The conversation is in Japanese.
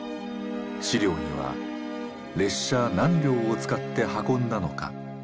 資料には列車何両を使って運んだのか。